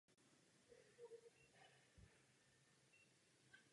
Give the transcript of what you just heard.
Jeho klub se však do bojů o Stanley Cup neprobojoval.